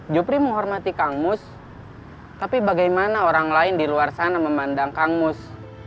jupri menghormati kang mus tapi bagaimana orang lain di luar sana memandang kang mus